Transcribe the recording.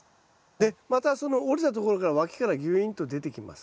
でまたその折れたところからわきからぎゅいんと出てきます。